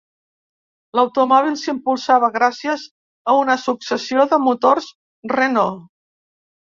L'automòbil s'impulsava gràcies a una successió de motors Renault.